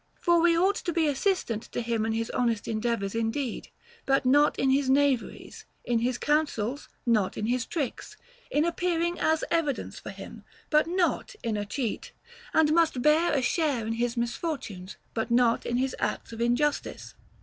For we ought to be assistant to him in his honest endeavors indeed, but not in his knaveries ; in his counsels, not in his tricks ; in appearing as evidence for him, but not in a cheat; and must bear a share in his misfortunes, but not in his acts of injustice.